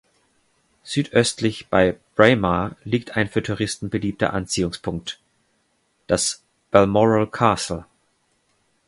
Südöstlich bei Braemar liegt ein für Touristen beliebter Anziehungspunkt, das Balmoral Castle.